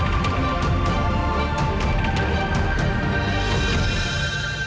dan juga penyelamatan penyelamatan perusahaan